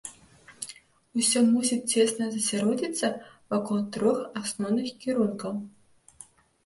Усё мусіць цесна засяродзіцца вакол трох асноўных кірункаў.